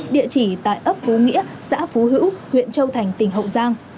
địa chỉ tại ấp phú nghĩa xã phú hữu huyện châu thành tỉnh hậu giang